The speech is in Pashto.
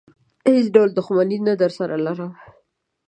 هېڅ ډول دښمني نه درسره لرم.